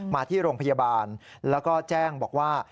มาที่โรงพยาบาลแล้วก็แจ้งบอกว่า